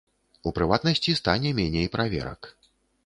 У прыватнасці, стане меней праверак.